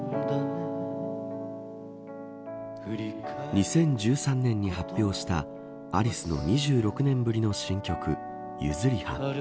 ２０１３年に発表したアリスの２６年ぶりの新曲ユズリハ。